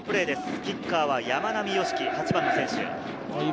キッカーは山並仁貴、８番の選手です。